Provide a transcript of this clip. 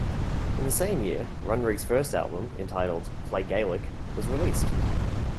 In the same year, Runrig's first album, entitled "Play Gaelic", was released.